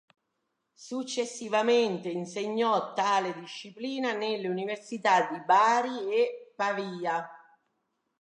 Successivamente insegnò tale disciplina nelle università di Bari e Pavia.